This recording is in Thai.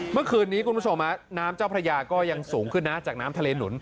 เมื่อคืนนี้คุณผู้ชมน้ำเจ้าพระยาก็ยังสูงขึ้นนะจากน้ำทะเลหนุน